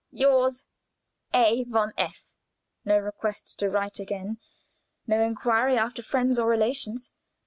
"Yours, "A. von F." No request to write again! No inquiry after friends or relations!